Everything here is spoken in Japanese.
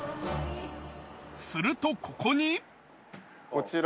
するとここに。